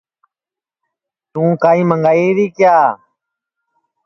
توں کائیں منٚگائی ری کیا